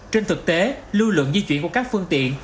trên thực tế lưu lượng di chuyển của các phương tiện